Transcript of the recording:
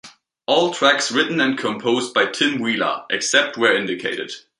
All tracks written and composed by Tim Wheeler; except where indicated.